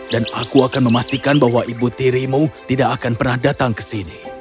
dan aku akan memastikan bahwa ibu tirimu tidak akan pernah datang ke sini